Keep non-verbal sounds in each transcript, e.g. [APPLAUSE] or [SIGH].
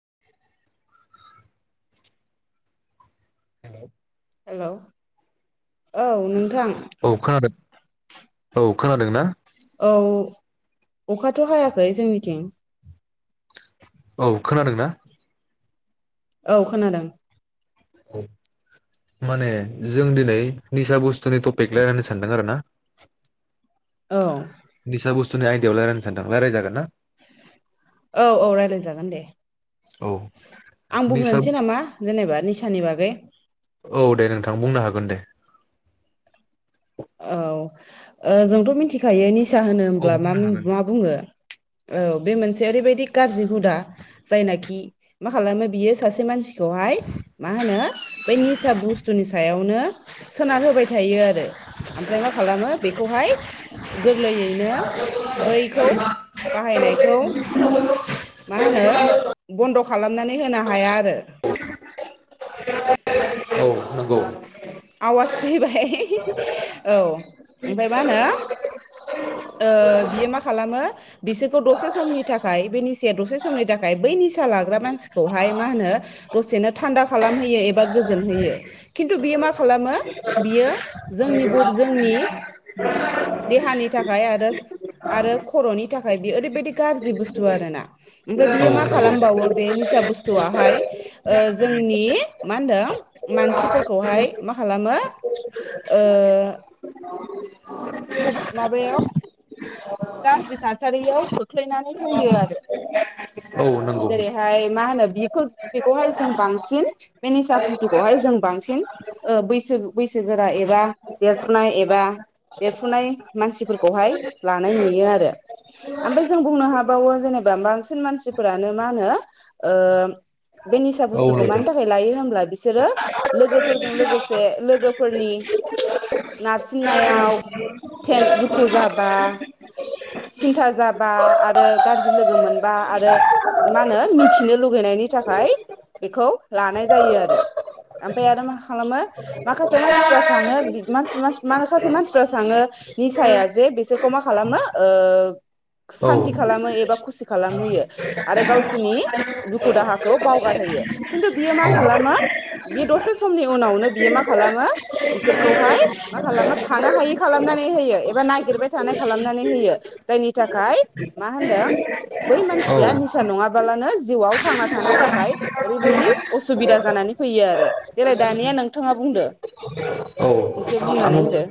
[INAUDIBLE] हेल हेल औ नोंथां औ खोनादों औ खोनादों ना? औ अखाथ हायाखै जोंनिथिं औ खोनादों ना? औ खोनादों। औ माने जों दिनै निसा बुस्थुनि टपिक रायज्लायनो सानदों आरो ना औ निसा बुस्थुनि आयदायाव रायलायनो सानदों रायलायजागोन ना? औ औ रायलायजागोन औ [INAUDIBLE] आं निसा बुंनोसै औ नामा जेनेबा निसानि बागै औ दे नोंथां बुंनो हागोन दे औ ओ जोंथ मिथिखायो सा होनो औ होमब्ला मा बुंनो हागोन मा बुङो औ बे मोनसे ओरैबायाददि गाज्रि हुदा जायनाखि मा खालामो बियो सासे मानसि खौहाय मा होनो बै निस सा बुस्थुनि सायावनो सोनार होबाय थायो आरो ओमफ्राय मा खालामो बेखौहाय गोरलैयैनो बैखौ बाहायनायखौ मा होनो बन्द खालामनानै होनो हाया आरो [UNINTELLIGIBLE] नंगौ आवाज फैबाय औ ओमफ्राय मा होनो ओ बियो मा खालामो बिसोरखौ दसे समनि थाखाय बे निसाया दसे समनि थाखाय बै निसा लाग्रा मानसिखौहाय मा होनो दसेनो थान्दा खालामहोयो एबा गोजोन होयो खिन्थु बियो मा खालामो बियो जोंनि बद जोंनि देहानि थाखाय आरोस आरो खर'नि थाखाय बेयो ओरैबायदि गाज्रि बुस्थु आरोना ओमफ्राय औ बियो मा नंगौ खालामबावो बे निसा बुस्थुवाहाय ओ जोंनि मा होनदों मानसिफोरखौहाय मा खालामो ओ ख माबायाव गाज्रि थासारियाव खोख्लैनानै होयो औ आरो नंगौ जेरैहाय मा होनो बेखौ बेखौहाय जों बांसिन बे निसा बुस्थुखौहाय जों बांसिन ओ बैसो बैसोगोरा एबा देरफुनाय एबा देरफुनाय मानसिफोरखौहाय लानाय नुयो आरो ओमफाय जों बुंनो हाबावो जेनेबा बांसिन मानसिफोरानो मा होनो ओ बे निसा औ बुस्थुखौ मानि नोंथां थाखाय लायो होनब्ला बिसोरो लोगोफोरजों लोगोसे लोगोफोरनि नारसिननायाव थेन दुखु जाब बा सिन्था जाबा आरो गाज्रि लोगो मोनबा आरो मा होनो मिथिनो लुगैनायनि थाखाय बेखौ लानाय जायो आरो ओमफाय आरो मा खालामो माखासे मानसिफा साङो बि मास मास माखासे मानसिफा साङो निसाया जे बिस बिसोरखौ मा खालामो ओ औ सान्थि खालामो एबा खुसि खालामहोयो आरो गावसिनि दुखु दाहाखौ बावगारहोयो खिन्थु बियो मा औ खालामो बे दसे समनि उनावनो बियो मा खालामो बिसोरखौहाय मा खालामो थानो हायै खालामनानै होयो एबा नागिरबाय थानाय खालामनानै होयो जायनि थाखाय मा होनदों बै औ मानसिया निसा नङाबालानो जिउआव थांना थानो थाखाय ओरैबायदि असुबिदा जानानै फैयो आरो देलाय दानिया नोंथाङा बुंदो औ एसे आं बुंनानै होदो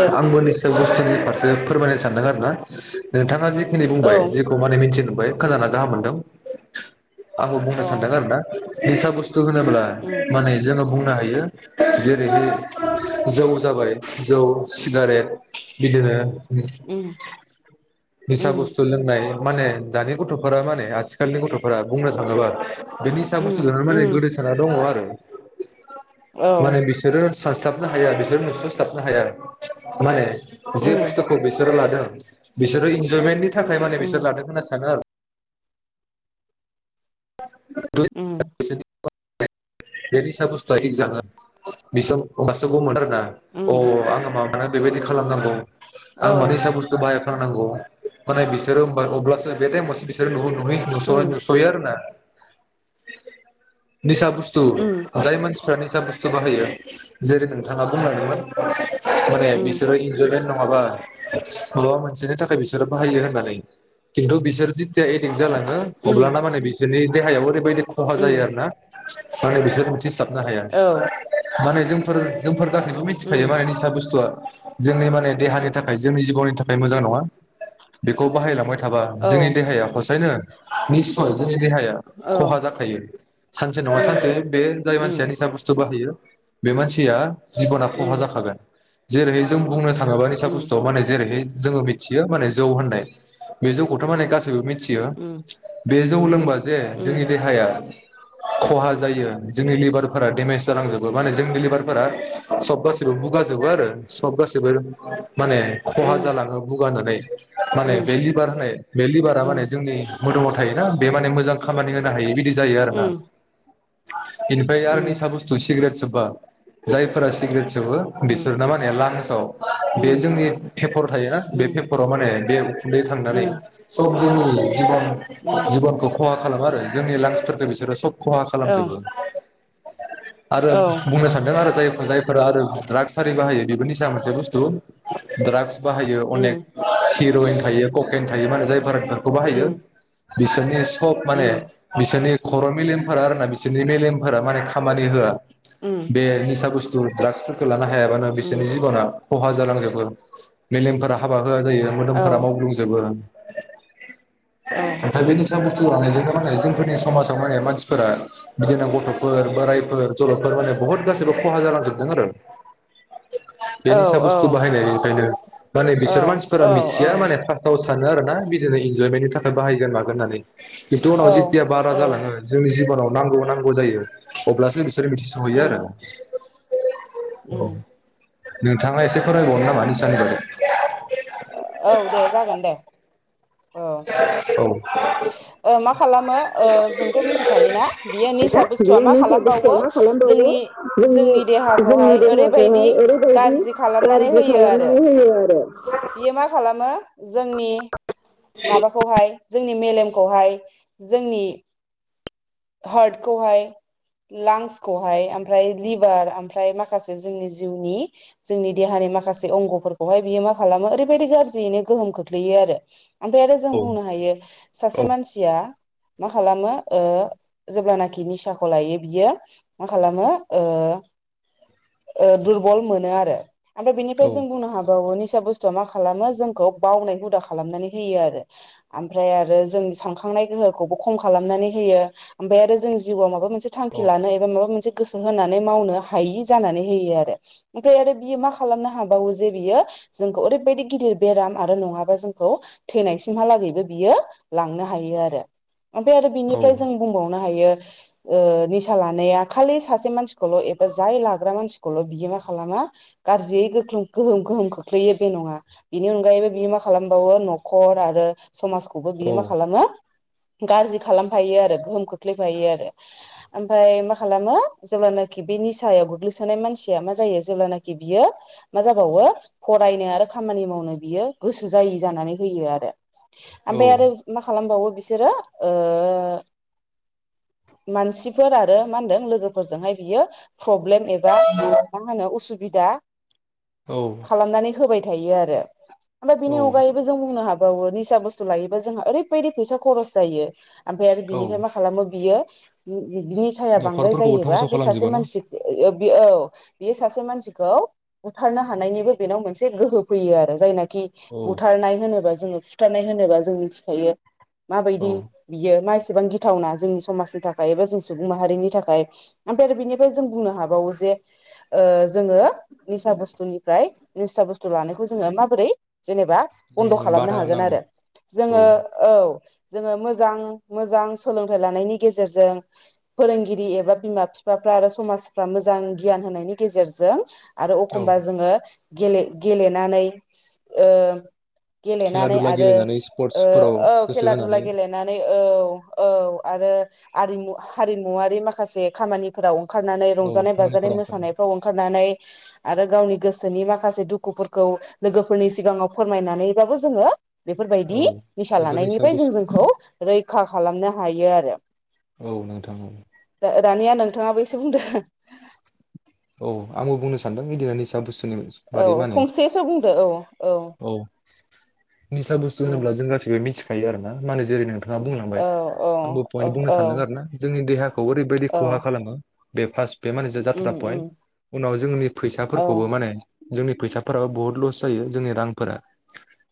दे आंबो निसो बुस्थुनि फारसे फोरमायनो सानदों आरो ना नोंथाङा जि बेनि औ बुंबाय जेखौ माने मिथिन बै खोनाना गाहाम मोनदों आंबो बुंनो औ सानदों आरोना निसा बुस्थु होनोब्ला उम माने जोङो बुं नो हायो जेरैहाय जौ जाबाय जौ सिगारेट बिदिनो उम उम निसा उम बुस्थु लोंनाय माने दानि गथ'फोरा माने आथिखालनि गथ'फोरा बुंनो थाङोबा बे निसा उम बुस्थुजोंनो माने उम गोदोसोना दङ आरो औ माने बिसोरो सानस्लाबनो हाया बिसोर नोस नोस्लाबनो हाया । माने जे उम बुस्थुखौ बिसोरो लादों बिसोरो इनजयमेन्टनि थाखाय माने उम बिसोर लादों होनना सानो आरो उम बे निसा बुस्थुआ [UNINTELLIGIBLE] निसा लाखांबासो गम मोनो। फ्रा अ उम आङो मा [UNINTELLIGIBLE] बेबायदि खालामनांगौ आं औ माने निसा बुस्थु बाहाय खानांगौ माने बिसोरो ओमबा अब्लासो बे टाइमावसो बिसोरो बहुद नुहै नुसय उम नुसैयो आरो ना निसा बुस्थु उम जाय मानसि सा निसा बुस्थु बाहायो जेरै नोंथाङा बुंलांदोंमोन । माने उम बिसोरो इनजयमेन्ट नङाबा माबा मोनसेनि थाखाय बिसोरो बाहायो होननानै खिन्थु बिसोर जि जे एदिक जालाङो उम अब्लाना माने बिसोरनि देहायाव ओरैबायदि खहा उम जायो आरो ना [UNINTELLIGIBLE] आरो बिसोर बिदिस साबनो हाया औ माने जोंफोर जोंफोर गासैबो मिथिखायो उम मानि निसा बुस्थुआ जोंनि माने देहानि थाखाय जोंनि जिबननि थाखाय मोजां नङा। बेखौ बाहायलांबाय थाबा औ जोंनि देहाया हसायनो निस्सय जोंनि देहाया औ खहा जाख बेयो सानसे नङा उम सानसे बे जाय मानसिया उम निसा बुसथु बाहायो बे मानसिया जिब'ना खहा उम जाखागोन। जेरै जों बुंनो थाङोबा उम निसा बुस्थुव माने जेरैहाय जोङो मिथियो माने जौ होननाय बे जौखौथ माने गासैबो मि थियो उम बे जौ लोंबा जे जोंनि उम देहाया खहा जायो जोंनि लिभारफोरा डेमेज जालांजोबो माने जोंनि लिभारफोरा सब गासैबो बुगाजोबो आरो सब गासैबो माने खहा उम जालाङो बुगानानै माने बेललिबार होननाय बेलिबारा उम माने जोंनि मोदोमाव थायोना बे माने मोजां खामानि होनो हायो बिदि जायो आरो ना। उम [UNINTELLIGIBLE] बेनिफ्राय आरो उम उम निसा बुस्थु सिग्रेट सोबबा जायफोरा सिग्रेट सोबो बिसोरना माने लांसाव बे उम जोंनि पेपर थायोना बे पेपराव माने बेयाव खुन्दै थांनानै उम सब [UNINTELLIGIBLE] जिबनि उम जिबनखौ खहा खालामनो आरो जोंनि लांक्स फोरखौ बिसोरो सब खहा औ खालामजोबो। आरो औ बुंनो सानदों आरो जा जायफोरा आरो ड्राग्स आरारि बाहायो बेफोरनिसा मोनसे बुस्थु ड्रागस बाहायो अनेक उम हिर'इन थायो ककेन थायो माहोननाय जायो फारा बेखौ बाहायो उम बिसोरनि सब माने उम बिसोरनि खर' मेलेमफोरा आरोना बिसोरनि मेलेमफोरा माने खामानि होआ उम बे निसाब बुस्थ थु ड्राग्स फोरखौ ला नोहायाबानो उम बिसोरनि जिबना खहा जालांजोबो मेलेमफोरा हाबा होआ जायो औ मोदोमफोरा मावग्लुंजोबो औ ओमफ्राय बेनिसा बुस्थु लानायजोंनो मा होनो फोरनि समाज माने मानसिफोरा बिदिनो गथ'फोर बोरायफोर जलदफोर माने बुहुत गासिबो खहा जालांजोबदों आरो। बे औ निसा बुस्थु बाहायनायखायनो माने औ बिसोर औ मानसिफोरा मिथिया औ माने फार्स्टआव सानो आरोना बिदिनो इन्जयमेन्टनि थाखा बाहायगोन मागोन होननानै। बिथ' उनाव जिथिया बारा औ औ जालां जिबननाव नांगौ नांगौ जायो अब्लासो बिसोर मिथिस'हैयो उम आरो। उम नोंथाङा एसे औ फरायबावनो नामा निसानि बादै औ दे जागोन दे औ औ। मा खालामो ओ जोंथ' मिथिखायोना बियो निसा बुस्थुआ बियो मा निसा बुस्थुआ खालामबावो मा खालामबावो जोंनि जोंनि जोंनि देहाखौहाय ओरैबायदि देहाखौहाय ओरैबायदि गाज्रि खालामनानै गाज्रि होयो आरो। खालामनानै होयो आरो बियो मा खालामो जोंनि माबाखौहाय जोंनि मेलेमखौहाय जोंनि हार्टखौहाय लांसखौहाय ओमफ्राय लिभार ओमफ्राय माखासे जोंनि जिउनि जोंनि देहानि माखासे अंगफोरखौहाय बियो मा खालामो ओरैबायदि गाज्रियैनो गोहोम खोख्लैयो आरो। ओमफ्राय आरो जों औ बुंनो हायो सासे औ मानसिया मा खालामो जेब्लानाखि निसाखौ लायो बियो मा खालामो ओ ओ दुरबल मोनो आरो ओमफ्राय बेनिफ्राय औ जों बुंनो हा औ निसा बुस्थु आ मा खालामो जोंखौ बावनाय हुदा खालामनानै होयो आरो ओमफ्राय आरो जोंसानखांनाय गोहोखौबो खम खालामनानै होयो ओमफ्राय आरो जोंनि जिउआव माबा मोनसे थांखि लानो एबा माबा मोनसे गोसो होनानै मावनो हायि जानानै होयो आरो ओमफ्राय आरो बियो मा खालामनो हाबावो जे बियो जोंखौ ओरैबायदि गिदिर बेराम आरो नङाबा जोंखौ थैनायसिमहालागैबो बियो लांनो हायो आरो। ओमफ्राय आरो औ बिनिफ्राय जों बुंबावनो हायो ओ निसा लानाया खालि सासे मानसिखौल' एबा जाय लाग्रा मानसिखौल' बियो मा खालामा गाज्रियै गोहोम गोहोम ख्लैयो बे नङा बिनि अनगायैबो बियो मा खालामबावो न'खर आरो समाजखौबो बियो मा खालामो गाज्रि खालामफायो आरो गोहोम खोख्लैफायो आरो ओमफाय मा खालामो जेब्लानाखि बे नि सायाव गोग्लैसोनाय मानसिया मा जायो जेब्लानाखि बियो मा जाबावो फरायनो आरो खामानि मावनो बियो गोसो जायि जानानै होयो आरो। औ ओमफाय आरो मा खालामबावो बिसोरो ओ मानसिफोर आरो मा होनदों लोगोफोरजोंहाय बियो प्रब्लेम एबा मा होनो उसुबिदा खालामनानै होबाय थायो आरो। ओमफाय औ बिनि अनगायैबो जों बुंनो हा बावो निसा बुस्थु लायोबा जोंहा ओरैबायदि फैसा खरस जायो ओमफ्राय आरो औ बिनिफाय मा खालामो बियो बि बिनिसाया बांद्राय न'खरफोरखौबो जायोबा धंस' बे सासे खालामजोबो न' मानसिख ओ ओ औ बेस सासे मानसिखौ बुथारनो हानायनि बोद बेनाव मोनसे गोहो फैयो आरो जायनाख खि औ बुथारनाय होनोबा जोंङो फि थारनाय होनोबा जों मिथिखायो। औ माबायदि बियो मास सेबां गिथावना जोंनि समाजनि थाखाय एबा जों सुबुं माहारिनि थाखाय ओमफाय आरो बिनिफाय जों बुंनो हाबावो जे ओे जोंङो निसा बुस्थुनिफ्राय। निससा‌ बुस्थु लानायखौ जोंङो माबोरै। जेनेबा बन्द जोङो खालामनो बादा हागोन होनांगौ आरो औ जोंङो औ। जोंङो मोजां मोजां सोलोंथाइ लानायनि गेजेरजों फोरोंगिरि एबा बिमा बिफाफ्रा आरो समाजफ्रा मोजां गियान होनायनि गेजेरजों। आरो औ अखमबा जोंङो। गेले गेलेनानै ओ। खेला गेलेनानै दुला आरो गेलेनानै ओ स्पर्टसफोराव औ गोसो खेला दुला होनानै गेलेनानै। औ औ आरो आरिमु हारिमुवारि माखासे खामानिफोराव। खारनानै औ रंजानाय बाजानाय खामानिफोराव ओंखारनानै मोसानायफ्राव ओंखारनानै। आरो गावनि गोसोनि माख खासे दुखुफोरखौ लोगोफोरनि सिगाङाव फोरमायनानैबाबो जोंङो। बेफोरबायदि औ निसा बेफोर लानायनिफाय जों बुस्थु जोंखौ रैखा खालामनो हायो आरो। [UNINTELLIGIBLE] औ नोंथां औ। दा दानिया नोंथाङाबो एसे बुंदो। औ आंबो बुंनो सानदों इदिनानि निसा बुसथ नु औ बादै मा होनो फंसेसो बुंदो औ औ निसा बुस्थु उम होनोब्ला जों गाससिबोथिख गायो आरोना मानो जेरै नोंथा थांङा औ बुंलांबाय औ आंबो औ पइन्ट बुंनो औ सानदों आरो ना जोंनि देहाखौ ओरैबायदि औ खहा खालामो। बे फास बे माने उम जाथ्रा उम पइन्ट उनाव जोंनि औ फैसाफोरखौबो माने जोंनि फैसा फोराबो बुहुत लस जायो जोंनि रांफोरा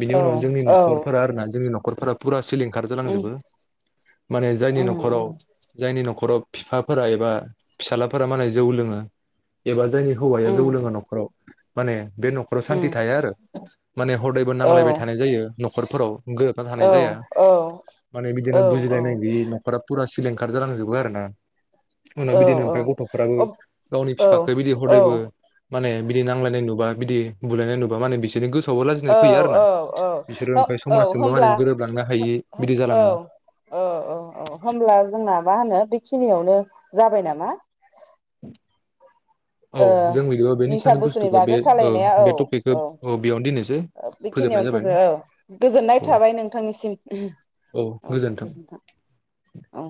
बिनि औ उनाव जोंनि औ नखरफोरा आरो ना जोंनि नखर फोरा फुरा सिलिंखार उम जालांजोबो माने जायनि उम नखाव उम जायनि न खर बिफाफोरा एबा फिसााजलाफोरा माने जौ लोंङो बेबा जायनि हौवाया उम जौ लोङो नखराव। माने। बे नखराव सान्थि उम थाया आरो माने हरदायबो औ नांलायबाय थानाय जायो नखरफोराव गोरोबना थानाय औ जाया औ माने औ बिदिनो बुजिलायनाय गैयि नखरा फुरा। लिंखार जालांजोबो आरो ना। उनाव औ बिदिनो औ ओमफाय गथफोराबो। अब गावनि औ फिफाखौ बिदि औ हरदायबो माने बिदि नांलायनाय नुबा। बिदि बुलनाय नुबा माने बिसोरनि गोस। औ औ औ ओमफ्राय औ समाजजोंबो माने होनब्ला गोरोबलांनो हायि [UNINTELLIGIBLE] बिदि औ जालाङो औ होनब्ला जोंना मा होनो बेखिनियावनो। जाबाय नामा। [UNINTELLIGIBLE] ओ जों बिदिबा बे निसा निसानि बोसोरनि बुस्थुखौ बे बागै ओ सालायनाया औ बे टपिकखौ बेयावनो दोननोसै औ फोजोबनाय बेखिनियावनो जाबाय न' फोजो औ गोजोननाय औ थाबाय नोंथांनिसिम औ गोजोनथों औ।